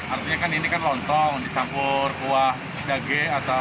artinya kan ini kan lontong dicampur kuah dage atau